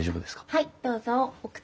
はい。